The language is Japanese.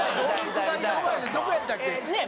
どこいってたっけ？